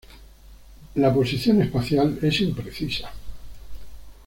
La posición espacial es imprecisa.